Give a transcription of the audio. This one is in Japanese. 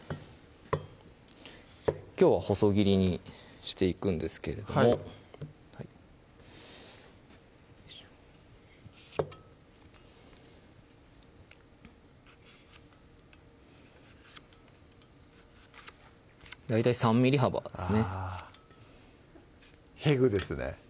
きょうは細切りにしていくんですけれどもよいしょ大体３ｍｍ幅ですねへぐですね